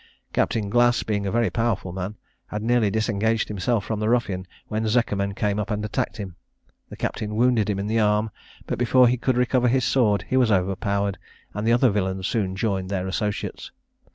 Captain Glass, being a very powerful man, had nearly disengaged himself from the ruffian, when Zekerman came up and attacked him. The captain wounded him in the arm; but before he could recover his sword he was overpowered, and the other villains soon joined their associates.